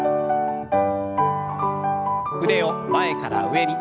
腕を前から上に。